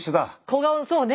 小顔そうね。